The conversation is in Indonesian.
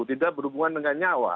tidak berhubungan dengan nyawa